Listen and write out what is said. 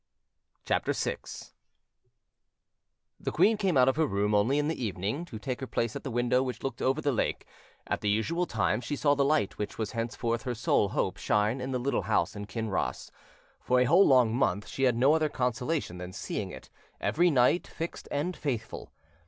] CHAPTER VI The queen came out of her room only in the evening, to take her place at the window which looked over the lake: at the usual time she saw the light which was henceforth her sole hope shine in the little house in Kinross; for a whole long month she had no other consolation than seeing it, every night, fixed and faithful.